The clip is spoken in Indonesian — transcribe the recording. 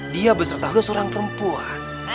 dia berserta juga seorang perempuan